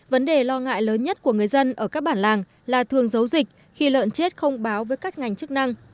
vấn đề lo ngại lớn nhất của người dân ở các bản làng là thường giấu dịch khi lợn chết không báo với các ngành chức năng